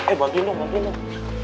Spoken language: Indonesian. eh bantuin dong bantuin dong